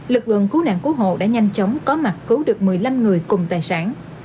lực lượng cứu nạn cứu hộ đã nhanh chóng có mặt cứu được một mươi năm người cùng tài sản